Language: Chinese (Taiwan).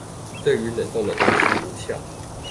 對於冷凍的東西無效